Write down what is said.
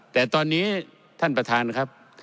แต่ตอนนี้ท่านประธานครับ